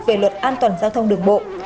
về luật an toàn giao thông đường bộ